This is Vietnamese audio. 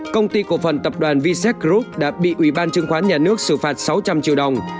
công ty cổ phần tập đoàn vsec group đã bị ủy ban chứng khoán nhà nước xử phạt sáu trăm linh triệu đồng